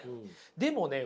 でもね